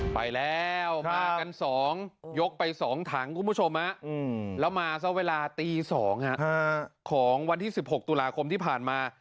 ไปแล้วมากัน๒ยกไป๒ถังคุณผู้ชมแล้วมาซะเวลาตี๒ของวันที่๑๖ตุลาคมที่ผ่านมา